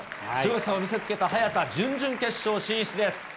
強さを見せつけた早田、準々決勝進出です。